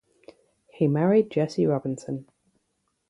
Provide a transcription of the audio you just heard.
He married Jessie Robinson.